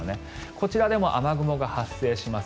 こちらでも雨雲が発生します。